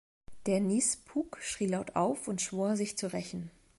Der Nis Puk schrie laut auf und schwor, sich zu rächen.